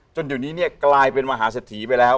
จนเดี๋ยวนี้เนี่ยกลายเป็นมหาเศรษฐีไปแล้ว